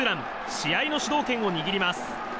試合の主導権を握ります。